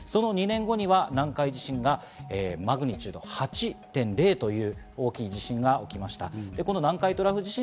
その２年後に南海地震がマグニチュード８．０という大きい地震がありました。